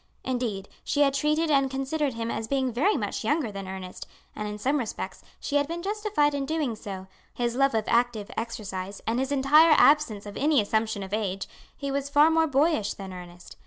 Indeed she had treated and considered him as being very much younger than Ernest, and in some respects she had been justified in doing so, for in his light hearted fun, his love of active exercise, and his entire absence of any assumption of age, he was far more boyish than Ernest.